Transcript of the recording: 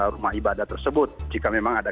rumah ibadah tersebut jika memang ada